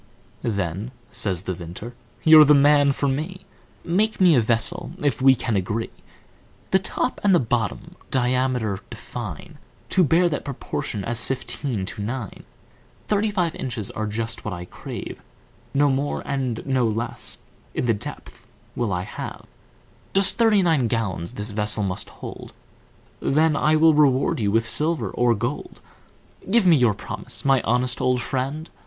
"Then," says the Vintner, "you're the man for me, Make me a vessel, if we can agree. The top and the bottom diameter define, To bear that proportion as fifteen to nine, Thirty five inches are just what I crave, No more and no less, in the depth, will I have; Just thirty nine gallons this vessel must hold, Then I will reward you with silver or gold, Give me your promise, my honest old friend?"